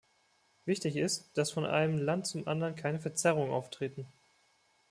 Wichtig ist, dass von einem Land zum anderen keine Verzerrungen auftreten.